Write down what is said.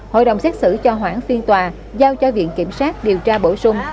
hội đồng xét xử cho hoãn phiên tòa giao cho viện kiểm sát điều tra bổ sung